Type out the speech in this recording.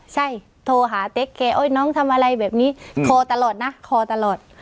ใช่โทรหาเต๊กแกโอ๊ยน้องทำอะไรแบบนี้คอตลอดนะคอตลอด